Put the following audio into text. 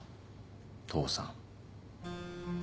父さん。